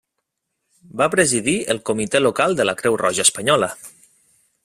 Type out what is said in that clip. Va presidir el Comitè Local de la Creu Roja Espanyola.